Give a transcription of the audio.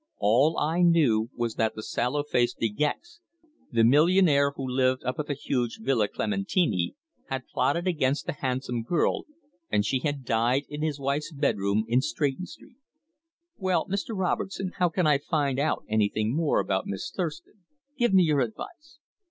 All I knew was that the sallow faced De Gex the millionaire who lived up at the huge Villa Clementini had plotted against the handsome girl, and she had died in his wife's bedroom in Stretton Street. "Well, Mr. Robertson, how can I find out anything more about Miss Thurston? Give me your advice."